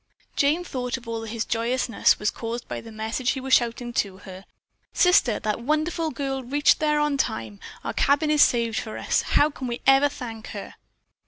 Jane thought that all of his joyousness was caused by the message he was shouting to her: "Sister, that wonderful girl reached there on time! Our cabin is saved for us! How can we ever thank her?"